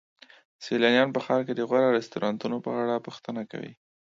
سیلانیان په ښار کې د غوره رستورانتونو په اړه پوښتنه کوي.